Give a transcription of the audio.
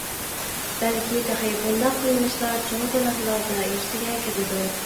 بەلكى تېخى بۇنداق قىلمىشلار چوڭ گۇناھلار دائىرىسىگە كىرىدۇ.